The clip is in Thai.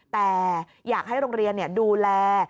แต่อยากให้โรงเรียนดูแล